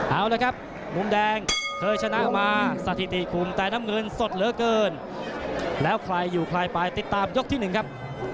เอาละครับมุมแดงเคยชนะมาสถิติคุมแต่น้ำเงินสดเหลือเกินแล้วใครอยู่ใครไปติดตามยกที่๑ครับ